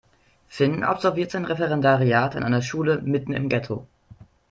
Finn absolviert sein Referendariat an einer Schule mitten im Ghetto.